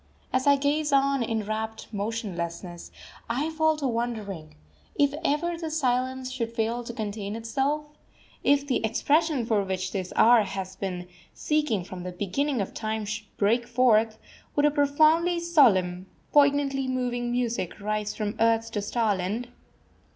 ] As I gaze on in rapt motionlessness, I fall to wondering If ever this silence should fail to contain itself, if the expression for which this hour has been seeking from the beginning of time should break forth, would a profoundly solemn, poignantly moving music rise from earth to starland?